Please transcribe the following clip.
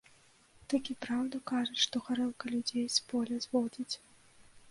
Такі праўду кажуць, што гарэлка людзей з поля зводзіць.